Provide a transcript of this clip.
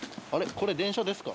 これ電車ですか？